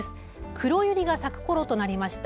クロユリが咲くころとなりました。